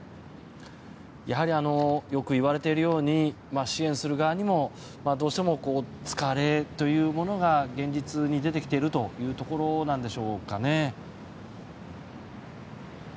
やはりよくいわれているように支援する側にもどうしても疲れというものが現実に出てきているというところなんでしょうかね。